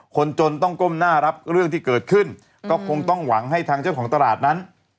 คนจนต้องก้มหน้ารับเรื่องที่เกิดขึ้นก็คงต้องหวังให้ทางเจ้าของตลาดนั้น